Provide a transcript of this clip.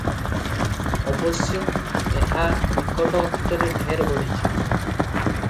ଅବଶ୍ୟ ଏହା ନିକଟ ଅତୀତରେ ଢେର ବଢ଼ିଛି ।